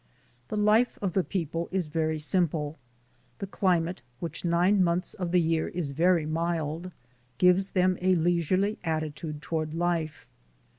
The life of the people is very simple. The climate, which nine months of the year is very mild, gives them a leisurely attitude toward life.